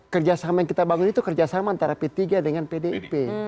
kerjasama yang kita bangun itu kerjasama antara p tiga dengan pdip